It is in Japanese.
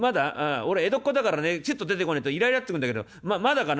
俺江戸っ子だからねツッと出てこねえとイライラッとくんだけどまだかな？」。